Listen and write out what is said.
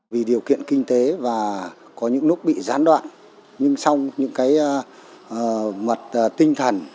vì điều kiện kinh tế và có những lúc bị gián đoạn nhưng sau những cái mật tinh thần và những sự cố gắng và cái nhiệt huyết của nhân dân thôn